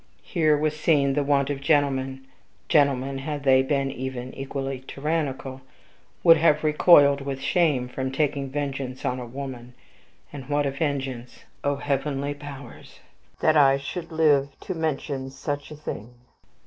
Here was seen the want of gentlemen. Gentlemen, had they been even equally tyrannical, would have recoiled with shame from taking vengeance on a woman. And what a vengeance! O heavenly powers! that I should live to mention such a thing!